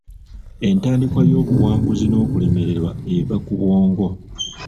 Entandikwa y'obuwanguzi n'okulemererwa eva ku bwongo.